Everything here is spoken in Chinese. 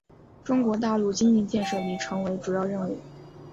中国大陆经济建设已成为主要任务。